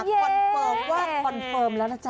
คอนเฟิร์มว่าคอนเฟิร์มแล้วนะจ๊